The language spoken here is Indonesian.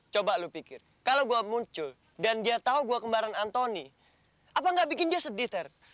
coba lo pikir kalau gue muncul dan dia tahu gue kembaran antoni apa gak bikin dia sedih